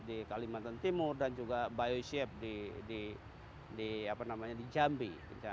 di kalimantan timur dan juga bioship di jambi